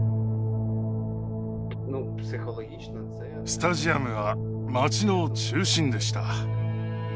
スタジアムは町の中心でした。